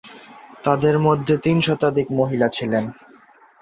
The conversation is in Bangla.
তাদের মধ্যে তিন শতাধিক মহিলা ছিলেন।